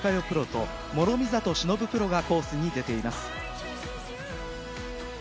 プロがコースに出ています。